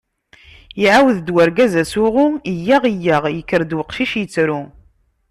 Iɛawed-d urgaz asuɣu: iyyaɣ, iyyaɣ, yekker-d uqcic, yettru.